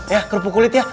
ya kerupuk kulit ya